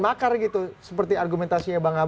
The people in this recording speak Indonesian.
makar gitu seperti argumentasinya bang ab